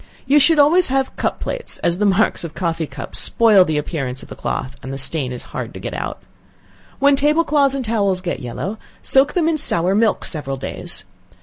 You should always have cup plates, as the marks of a coffee cup spoils the appearance of a cloth, and the stain is hard to get out. When table cloths and towels get yellow, soak them in sour milk several days.